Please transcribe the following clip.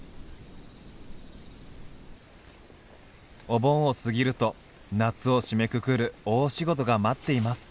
お盆を過ぎると夏を締めくくる大仕事が待っています。